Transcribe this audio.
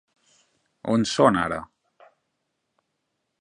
On són ara?